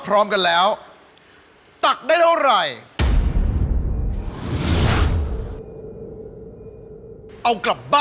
หมวกปีกดีกว่าหมวกปีกดีกว่า